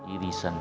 iri san ferdinand